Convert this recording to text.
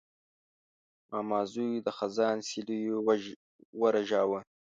ماما زوی د خزان سیلیو ورژاوه.